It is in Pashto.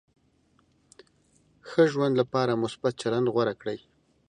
ښه ژوند لپاره مثبت چلند غوره کړئ.